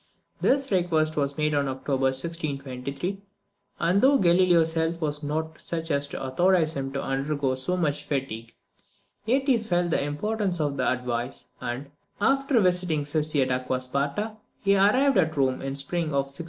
This request was made in October 1623; and though Galileo's health was not such as to authorise him to undergo so much fatigue, yet he felt the importance of the advice, and, after visiting Cesi at Acqua Sparta, he arrived at Rome in the spring of 1624.